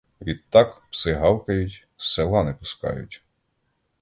Відтак пси гавкають, села не пускають.